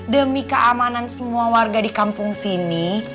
demi keamanan semua warga di kampung sini